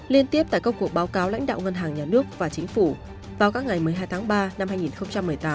liên tiếp tại công cuộc báo cáo lãnh đạo ngân hàng nhà nước và chính phủ vào các ngày một mươi hai tháng ba năm hai nghìn một mươi tám